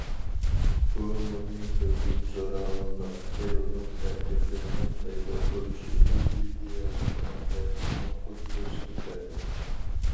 بۇ مۇھىم ھۆكۈم زوراۋانلىق، تېررورلۇق ھەرىكەتلىرىنىڭ پەيدا بولۇشىدىكى ئىدىيەۋى مەنبەنى چوڭقۇر كۆرسىتىپ بەردى.